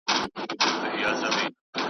د نورو او اکثریت شاعرانو نه ورته پام کوي .